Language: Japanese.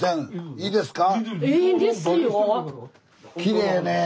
いいですよ。